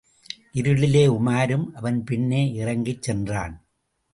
இருளிலே, உமாரும் அவன் பின்னே இறங்கிச் சென்றான்.